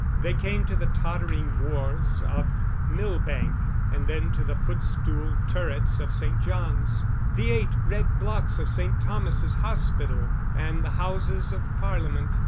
They came to the tottering wharves of Millbank, and then to the footstool turrets of St. John's, the eight red blocks of St. Thomas's Hospital, and the Houses of Parliament.